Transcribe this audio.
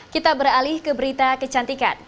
kita beralih ke berita kecantikan